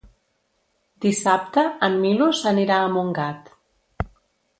Dissabte en Milos anirà a Montgat.